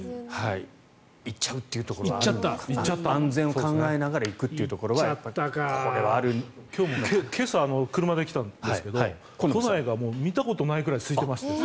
行っちゃうというところは安全を考えながら行くというのは今朝、車で来たんですけど都内が見たことないぐらいすいていました。